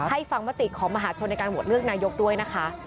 ให้ฟังมติของมหาชนในการโหวตเลือกนายกด้วยนะคะ